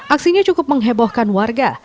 aksinya cukup menghebohkan warga